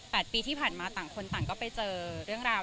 ปีที่ผ่านมาต่างคนต่างก็ไปเจอเรื่องราว